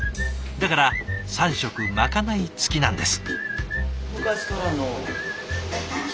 だから３食まかない付きなんです。